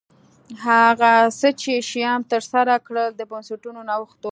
هغه څه چې شیام ترسره کړل د بنسټونو نوښت و